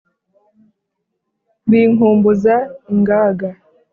binkumbuza ingaga !